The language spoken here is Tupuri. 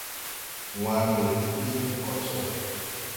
Wãã mbe de ɓil ɓe koɗ so.